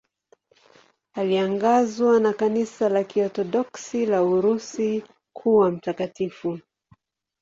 Alitangazwa na Kanisa la Kiorthodoksi la Urusi kuwa mtakatifu.